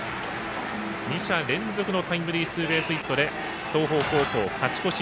２者連続のタイムリーツーベースヒットで東邦高校、勝ち越し。